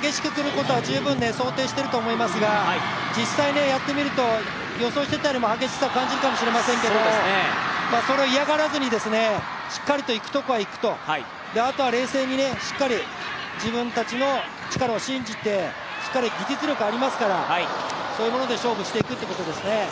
激しくくることは、十分想定していると思いますが、実際にやってみると予想していたよりも激しさを感じるかもしれませんけどそれを嫌がらずにしっかりといくところはいく、あとは冷静にしっかり自分たちの力を信じて、技術力ありますからそういうもので勝負していくということですね。